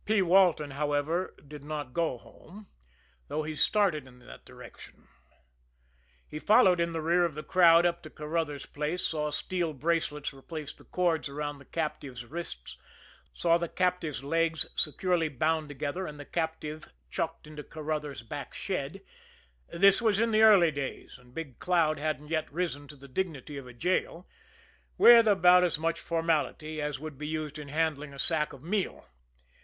P. Walton, however, did not go home, though he started in that direction. He followed in the rear of the crowd up to Carruthers' place, saw steel bracelets replace the cords around the captive's wrists, saw the captive's legs securely bound together, and the captive chucked into Carruthers' back shed this was in the early days, and Big Cloud hadn't yet risen to the dignity of a jail with about as much formality as would be used in handling a sack of meal.